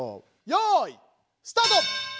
よいスタート！